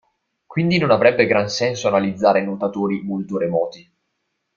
Quindi non avrebbe gran senso analizzare nuotatori molto remoti.